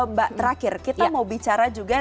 mbak terakhir kita mau bicara juga